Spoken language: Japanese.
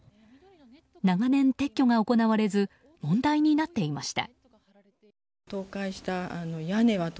長年、撤去が行われず問題になっていました。